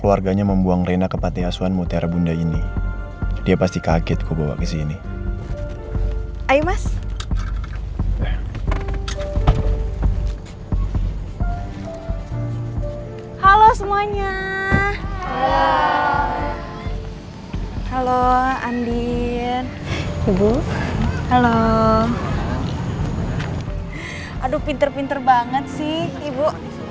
aduh pinter pinter banget sih ibu